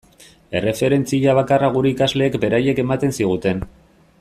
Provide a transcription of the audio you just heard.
Erreferentzia bakarra gure ikasleek beraiek ematen ziguten.